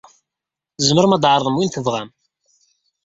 Tzemrem ad d-tɛerḍem win tebɣam.